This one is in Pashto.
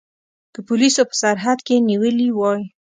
که پولیسو په سرحد کې نیولي وای.